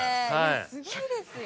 すごいですよ。